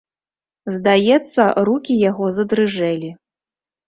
Здаецца, рукі яго задрыжэлі.